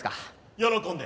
喜んで。